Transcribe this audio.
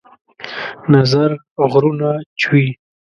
نظر غرونه چوي